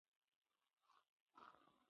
په خج کې کلکه او روښانه ده.